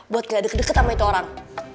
buat gak deket deket sama itu orang